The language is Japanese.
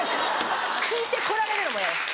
聞いてこられるのも嫌です。